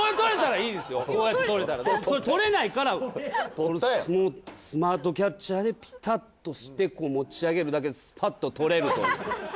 このスマートキャッチャーでピタッとして持ち上げるだけでスパッと取れると。